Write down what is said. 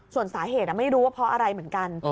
ส่วนสาเหตุไม่รู้ว่าเพราะอะไรเหมือนกัน